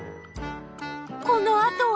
このあとは？